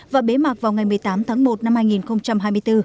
và bế mạc vào ngày một mươi tám tháng một năm hai nghìn hai mươi bốn